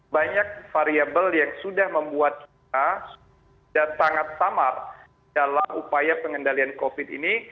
banyak variable yang sudah membuat kita sudah sangat samar dalam upaya pengendalian covid ini